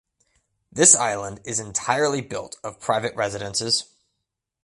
This island is entirely built of private residences.